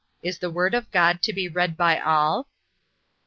Is the Word of God to be read by all?